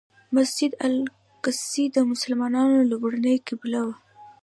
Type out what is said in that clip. مسجد الاقصی د مسلمانانو لومړنۍ قبله وه.